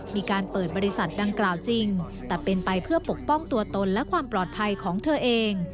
มีการเปิดบริษัทดังกล่าวจริงแต่เป็นไปเพื่อปกป้องตัวตนและความปลอดภัยของเธอเอง